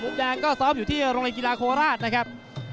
แดงก็ซ้อมอยู่ที่โรงเรียนกีฬาโคราชนะครับ